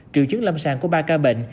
triều chứng lâm sàng của ba ca bệnh